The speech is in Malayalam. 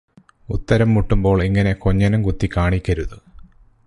ഉത്തരം മുട്ടുമ്പോൾ ഇങ്ങനെ കൊഞ്ഞണം കുത്തി കാണിക്കരുത്.